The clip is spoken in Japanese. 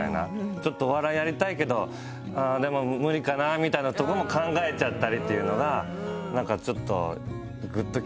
ちょっとお笑いやりたいけどでも無理かなみたいなとこも考えちゃったりっていうのがなんかちょっと。